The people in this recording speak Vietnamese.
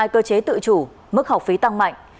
trường công bắt đầu triển khai cơ chế tự chủ mức học phí tăng mạnh